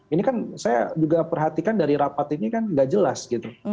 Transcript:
ini kan saya juga perhatikan dari rapat ini kan nggak jelas gitu